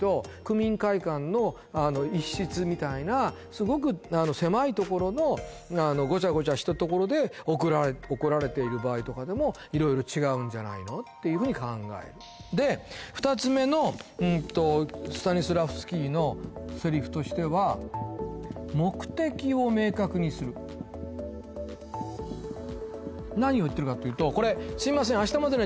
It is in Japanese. すごく狭いところのゴチャゴチャしたところで怒られている場合とかでも色々違うんじゃないのっていうふうに考えるで２つ目のうんとスタニスラフスキーのセリフとしては何を言ってるかっていうとこれ「すみません明日までには」